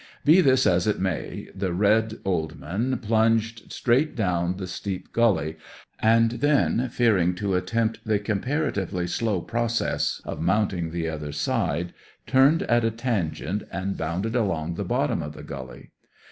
Be this as it may, the red old man plunged straight down the steep gully, and then, fearing to attempt the comparatively slow process of mounting the other side, turned at a tangent and bounded along the bottom of the gully.